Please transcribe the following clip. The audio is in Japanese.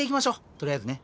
とりあえずね。